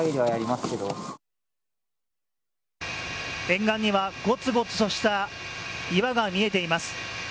沿岸にはごつごつとした岩が見えています。